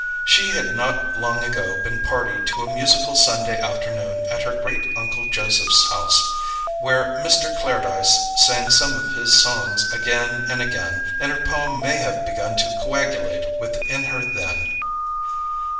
She had not long ago been party to a musical Sunday afternoon at her Great Uncle Joseph's house, where Mr. Clairdyce sang some of his songs again and again, and her poem may have begun to coagulate within her then.